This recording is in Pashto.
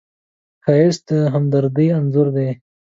ښایست د همدردۍ انځور دی